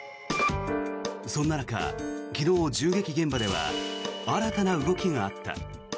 そんな中、昨日、銃撃現場では新たな動きがあった。